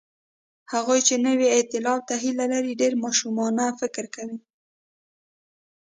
هغوی چې نوي ائتلاف ته هیله لري، ډېر ماشومانه فکر کوي.